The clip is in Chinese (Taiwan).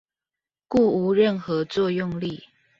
故無任何作用力